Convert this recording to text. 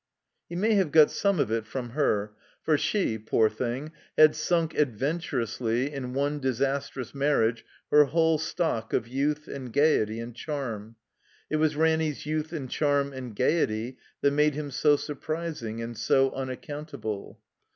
He may have got some of it from her, for she, poor thing, had siuik, adventurously, in one disas trous marriage her whole stock of youth and gaiety and charm. It was Ranny's youth and charm and gaiety that made him so surprising and so tm accotmtable.